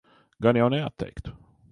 Gan jau neatteiktu.